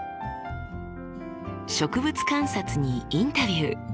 植物観察にインタビュー。